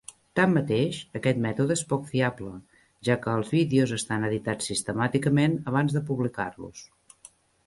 Tanmateix, aquest mètode és poc fiable, ja que els vídeos estan editats sistemàticament abans de publicar-los.